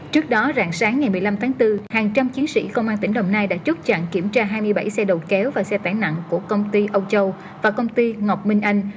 trước đó rạng sáng ngày một mươi năm tháng bốn hàng trăm chiến sĩ công an tỉnh đồng nai đã chốt chặn kiểm tra hai mươi bảy xe đầu kéo và xe tải nặng của công ty âu châu và công ty ngọc minh anh